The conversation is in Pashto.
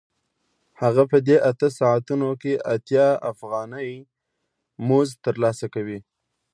هغه په دې اته ساعتونو کې اتیا افغانۍ مزد ترلاسه کوي